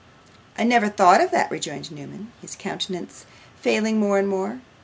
'I never thought of that,' rejoined Newman, his countenance falling more and more.